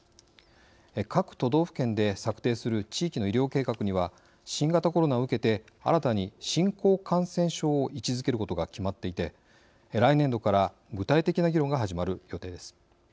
各都道府県で策定する地域の医療計画には新型コロナを受けて新たに新興感染症を位置づけることが決まっていて来年度から具体的な議論が始まる予定です。